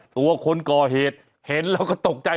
ตัวคนก่อเหตุเห็นแล้วก็ตกใจ